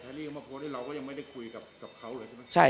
อันนี้เขามาโพสต์ให้เราก็ยังไม่ได้คุยกับเขาเลยใช่ไหม